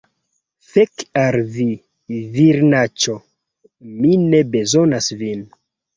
Fek al vi, virinaĉo! Mi ne bezonas vin.